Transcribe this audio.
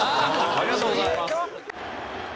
ありがとうございます。